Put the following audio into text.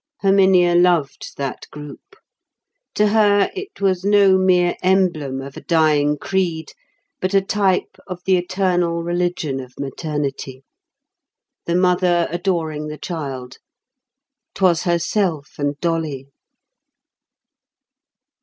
_" Herminia loved that group. To her it was no mere emblem of a dying creed, but a type of the eternal religion of maternity. The Mother adoring the Child! 'Twas herself and Dolly.